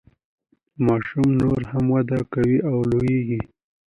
ماشوم نوره هم وده کوي او لوییږي.